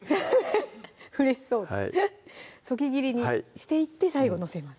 うれしそうそぎ切りにしていって最後載せます